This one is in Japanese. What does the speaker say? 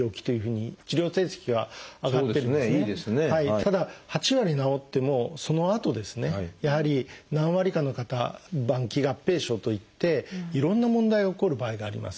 ただ８割治ってもそのあとですねやはり何割かの方「晩期合併症」といっていろんな問題が起こる場合があります。